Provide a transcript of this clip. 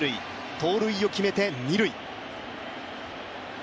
盗塁を決めて、二塁。